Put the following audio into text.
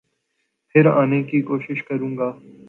پھر آنے کی کوشش کروں گا۔